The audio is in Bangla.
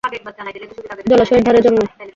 জলাশয়ের ধারে জন্মায়।